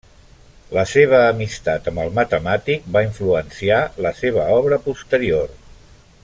La seva amistat amb el matemàtic va influenciar la seva obra posterior.